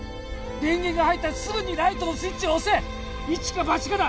電源が入ったらすぐにライトのスイッチを押せ一か八かだ